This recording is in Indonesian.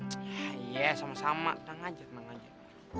ck ya ya sama sama jangan ngajet ngajet